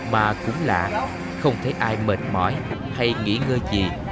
mà cũng là không thấy ai mệt mỏi hay nghỉ ngơi gì